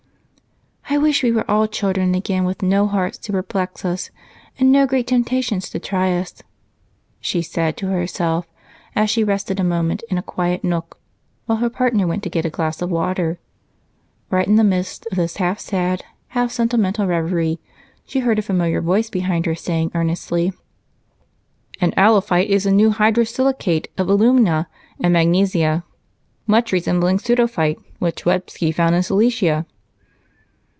"I wish we were all children again, with no hearts to perplex us and no great temptations to try us," she said to herself as she rested a minute in a quiet nook while her partner went to get a glass of water. Right in the midst of this half sad, half sentimental reverie, she heard a familiar voice behind her say earnestly: "And allophite is the new hydrous silicate of alumina and magnesia, much resembling pseudophite, which Websky found in Silesia."